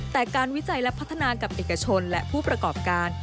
แต่การวิจัยและพัฒนากับเอกชนและผู้ประกอบการ